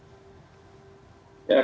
psoal ketempatan tentang maksudnya